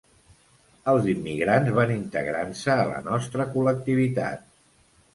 Els immigrants van integrant-se a la nostra col·lectivitat.